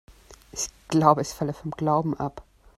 Ich glaube, ich falle vom Glauben ab.